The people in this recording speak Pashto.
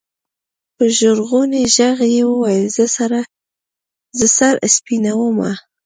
په ژړغوني ږغ يې ويل زه سر سپينومه.